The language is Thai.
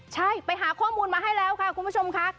ใช่ไปหาข้อมูลมาให้แล้วค่ะคุณผู้ชมค่ะ